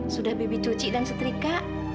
sudah bibit cuci dan setrika